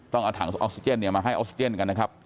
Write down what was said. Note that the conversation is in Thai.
ต้องเอาถังออกซิเจนมาให้ออกซิเจนกันนะครับ